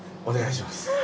お願いします。